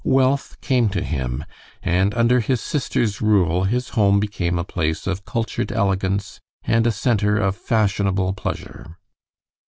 Wealth came to him, and under his sister's rule his home became a place of cultured elegance and a center of fashionable pleasure.